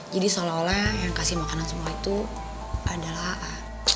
jadi seolah olah yang kasih makanan semua itu adalah aa